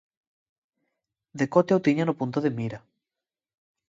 Decote o tiña no punto de mira...